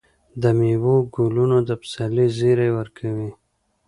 د میوو ګلونه د پسرلي زیری ورکوي.